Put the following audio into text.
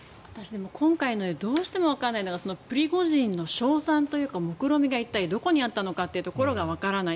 今回のでどうしてもわからないのがプリゴジンの勝算というか目論見がどこにあったのかわからない。